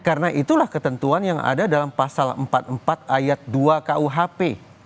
karena itulah ketentuan yang ada dalam pasal empat puluh empat ayat dua kuhp